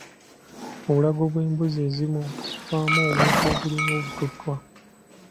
Mu bulago bw'embuzi ezimu mubaamu obuntu obulinga obututtwa.